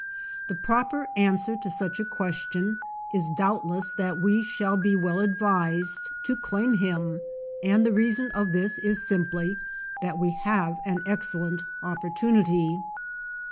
The proper answer to such a question is doubtless that we shall be well advised to claim him, and the reason of this is simply that we have an excellent opportunity.